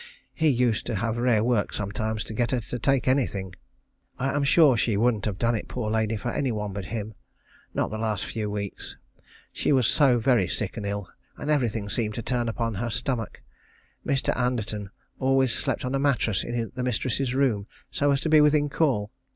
He used to have rare work sometimes to get her to take anything. I am sure she wouldn't have done it poor lady for any one but him. Not the last few weeks. She was so very sick and ill, and everything seemed to turn upon her stomach. Mr. Anderton always slept on a mattress in the mistress's room so as to be within call.